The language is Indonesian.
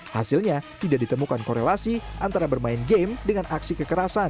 hasilnya tidak ditemukan korelasi antara bermain game dengan aksi kekerasan